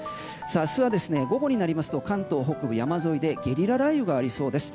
明日は午後になりますと関東北部山沿いでゲリラ雷雨がありそうです。